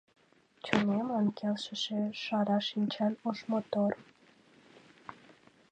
Чонемлан келшыше шара шинчан ош мотор